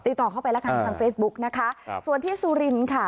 ติดต่อเข้าไปละกันทางเฟซบุ๊คนะคะส่วนที่ต์สุรินฯค่ะ